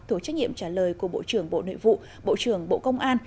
thuộc trách nhiệm trả lời của bộ trưởng bộ nội vụ bộ trưởng bộ công an